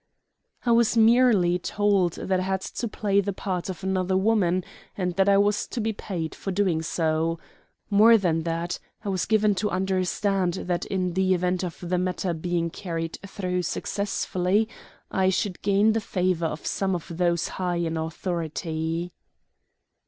"I was merely told that I had to play the part of another woman, and that I was to be paid for doing so. More than that, I was given to understand that in the event of the matter being carried through successfully I should gain the favor of some of those high in authority."